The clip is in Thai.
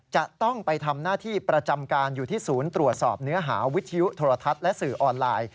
จะต้องไปทำหน้าที่ประจำการอยู่ที่ศูนย์ตรวจสอบเนื้อหาวิทยุโทรทัศน์และสื่อออนไลน์